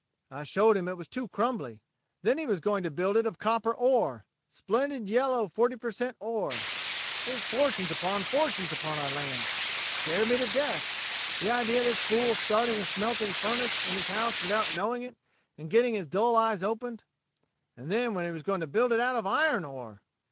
I showed him it was too crumbly. Then he was going to build it of copper ore splendid yellow forty per cent ore. There's fortunes upon fortunes upon our land! It scared me to death. The idea of this fool starting a smelting furnace in his house without knowing it and getting his dull eyes opened. And then he was going to build it out of iron ore!